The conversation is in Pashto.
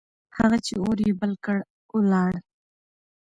هغه چې اور يې بل کړ، ولاړ.